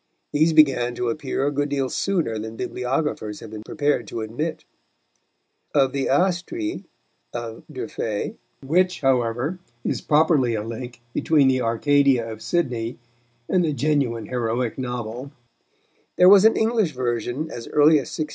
These began to appear a good deal sooner than bibliographers have been prepared to admit. Of the Astrée of D'Urfé which, however, is properly a link between the Arcadia of Sidney and the genuine heroic novel there was an English version as early as 1620.